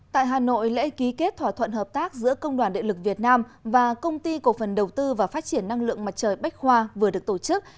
tại hà nội lễ ký kết thỏa thuận hợp tác giữa công đoàn đệ lực việt nam và công ty cổ phần đầu tư và phát triển năng lượng mặt trời bách khoa vừa được tổ chức